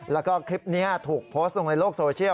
แล้วก็คลิปนี้ถูกโพสต์ลงในโลกโซเชียล